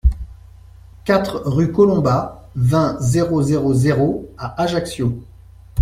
quatre rue Colomba, vingt, zéro zéro zéro à Ajaccio